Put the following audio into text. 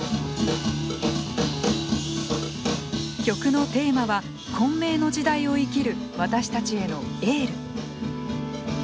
曲のテーマは混迷の時代を生きる私たちへのエール。